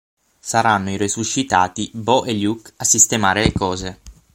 Saranno i "resuscitati" Bo e Luke a sistemare le cose.